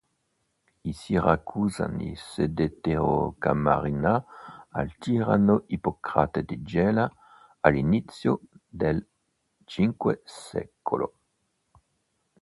I siracusani cedettero Kamarina al tiranno Ippocrate di Gela, all'inizio del V sec.